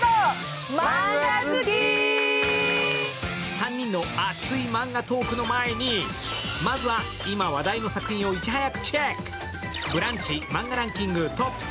３人の熱いマンガトークの前にまずは今、話題の作品をいち早くチェック。